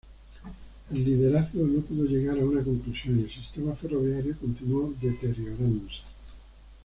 El liderazgo no pudo llegar a una conclusión y el sistema ferroviario continuó deteriorándose.